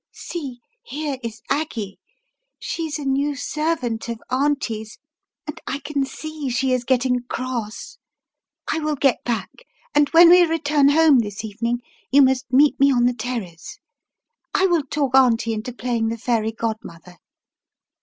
See, here is Aggie, she's a new servant of Auntie's and I can see she is getting cross. I will get back, and when we return home this evening you must meet me on the terrace. I will talk Auntie into playing the fairy godmother."